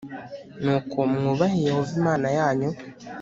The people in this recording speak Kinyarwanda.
Nuko mwubahe Yehova Imana yanyu